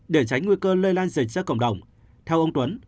để tránh nguy cơ lây lan dịch ra cộng đồng theo ông tuấn